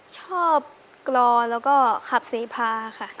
ชอบกรอแล้วก็ขับเสพาค่ะ